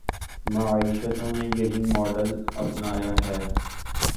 معیشتوں نے یہی ماڈل اپنایا ہے۔